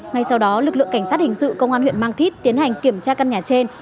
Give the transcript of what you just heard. ngay sau đó lực lượng cảnh sát hình sự công an huyện mang thít tiến hành kiểm tra căn nhà trên